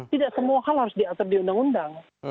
tidak semua hal harus diatur di undang undang